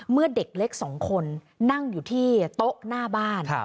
เมื่อเด็กเล็ก๒คนนั่งอยู่ที่โต๊ะหน้าบ้าน